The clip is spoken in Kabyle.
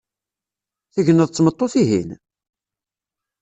Tegneḍ d tmeṭṭut-ihin?